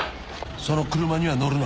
その車には乗るな。